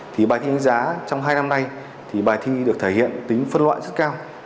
thì bài thi đánh giá trong hai năm nay thì bài thi được thể hiện tính phân loại rất cao